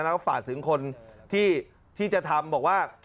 แล้วก็ฝากถึงคนที่จะทำบอกว่า